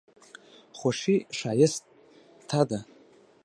خوښي ښایسته ده.